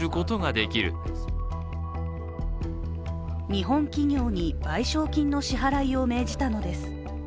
日本企業に賠償金の支払いを命じたのです。